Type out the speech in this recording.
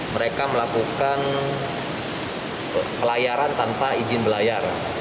mereka melakukan pelayaran tanpa izin berlayar